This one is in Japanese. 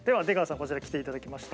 こちらに来ていただきまして。